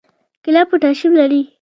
کیله پوټاشیم لري